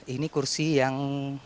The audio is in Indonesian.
ini kursi yang